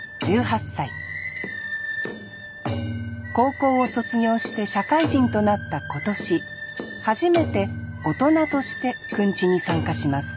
１８歳高校を卒業して社会人となった今年初めて大人としてくんちに参加します